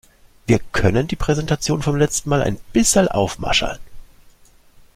Wir können die Präsentation vom letzen Mal ein bisserl aufmascherln.